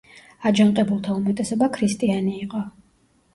აჯანყებულთა უმეტესობა ქრისტიანი იყო.